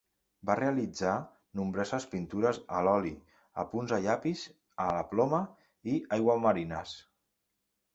Va realitzar nombroses pintures, a l'oli, apunts a llapis, a la ploma, i aiguamarines.